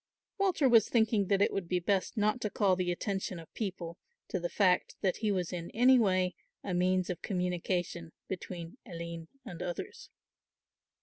Walter was thinking that it would be best not to call the attention of people to the fact that he was in any way a means of communication between Aline and others.